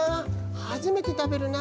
はじめてたべるな。